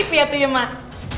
maksud tv ya tu ya emang